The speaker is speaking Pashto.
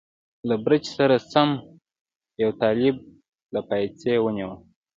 له بړچ سره سم چیني یو طالب له پایڅې ونیوه.